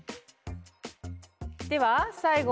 では最後。